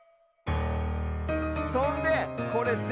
そんでこれぜんぶ